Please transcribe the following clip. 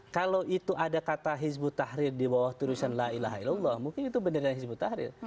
kalau itu ada kata hizbut tahrir di bawah tulisan la ilaha ilallah mungkin itu benarnya hizbut tahrir